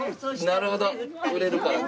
なるほど売れるから。